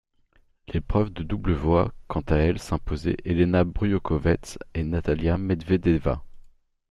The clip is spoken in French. L'épreuve de double voit quant à elle s'imposer Elena Bryukhovets et Natalia Medvedeva.